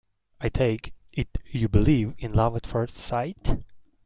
I take it you believe in love at first sight?